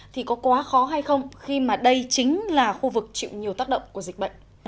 thì có quá khó hay không khi mà đây chính là khu vực chịu nhiều tác động của dịch bệnh